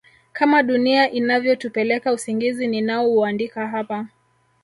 kama dunia inavyotupeleka Usingizi ninaouandika hapa